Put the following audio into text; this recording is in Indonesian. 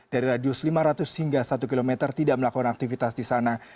dari radius lima ratus hingga satu km tidak melakukan aktivitas di sana